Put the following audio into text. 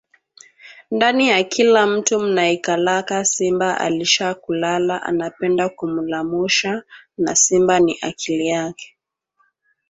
Ndani ya kila mutu munaikalaka simba alisha kulala anapenda kumulamusha na simba ni akili yake